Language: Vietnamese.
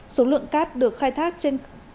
số lượng cát được khai thác trên